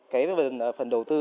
cái phần đầu tư